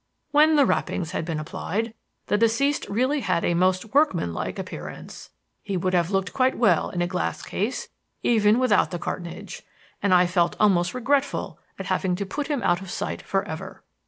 When the wrappings had been applied, the deceased really had a most workmanlike appearance; he would have looked quite well in a glass case even without the cartonnage, and I felt almost regretful at having to put him out of sight for ever.